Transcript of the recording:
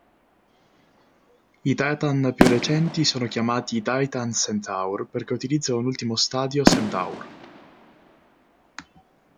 I Titan più recenti sono chiamati "Titan-Centaur" perché utilizzano un ultimo stadio Centaur.